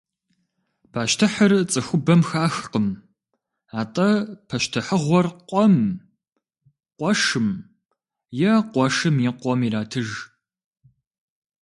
Пащтыхьыр цӏыхубэм хахкъым, атӏэ пащтыхьыгъуэр къуэм, къуэшым е къуэшым и къуэм иратыж.